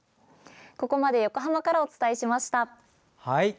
ここまで横浜からお伝えしました。